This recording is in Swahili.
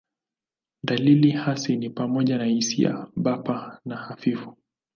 Dalili hasi ni pamoja na hisia bapa au hafifu.